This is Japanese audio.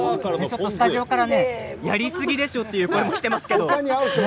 スタジオからやりすぎでしょう、という声も上がっていますけれども。